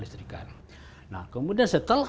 listrikan nah kemudian setelah